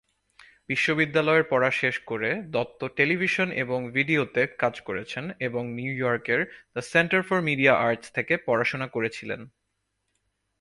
বিশ্ববিদ্যালয়ের পড়া শেষ করে, দত্ত টেলিভিশন এবং ভিডিওতে কাজ করেছেন এবং নিউইয়র্কের the centre for media arts থেকে পড়াশোনা করেছিলেন।